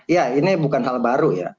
ya ini bukan hal baru ya